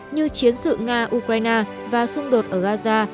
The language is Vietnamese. như chiến sự nga ukraine và xung đột ở gaza